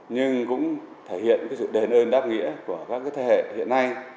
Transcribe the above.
nhưng cũng thể hiện sự đền ơn đáp nghĩa của các thế hệ hiện nay